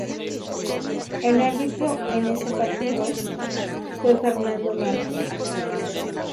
El árbitro en ese partido fue Fernando Marcos.